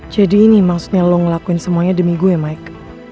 jadi ini maksudnya lo ngelakuin semuanya demi gue maik